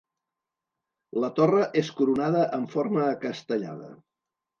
La torre és coronada en forma acastellada.